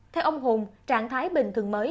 theo ông hùng trạng thái bình thường mới